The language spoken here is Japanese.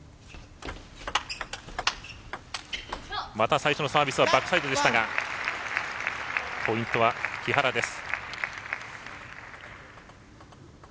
最初のサービスはバックサイドでしたがポイントは木原です。